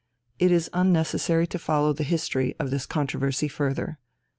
It is unnecessary to follow the history of this controversy further.